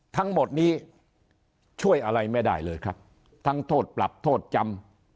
ทั้งหมดนี้ช่วยอะไรไม่ได้เลยครับทั้งโทษปรับโทษจำ